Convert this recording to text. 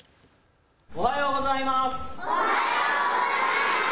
おはようございます。